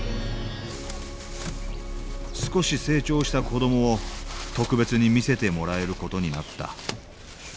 少し成長した子どもを特別に見せてもらえる事になった。